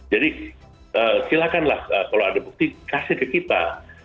jadi silakan lah kalau ada bukti kasih ke kita